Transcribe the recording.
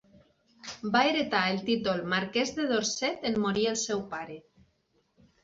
Va heretar el títol Marquès de Dorset en morir el seu pare.